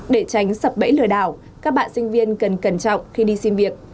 để tránh sập bẫy lừa đảo các bạn sinh viên cần cẩn trọng khi đi xin việc